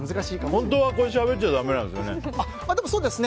本当はしゃべっちゃだめなんですよね。